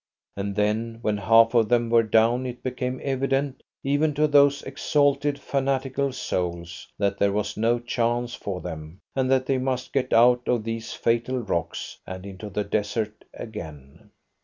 And then when half of them were down it became evident, even to those exalted fanatical souls, that there was no chance for them, and that they must get out of these fatal rocks and into the desert again.